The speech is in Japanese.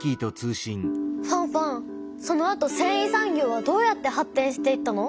ファンファンそのあとせんい産業はどうやって発展していったの？